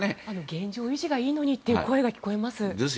現状維持がいいのにという声が聞こえます。